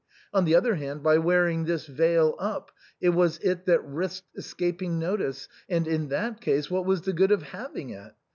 On the other hand, by wearing this veil up, it was it that risked escaping notice, and in that case, what was the good of having it?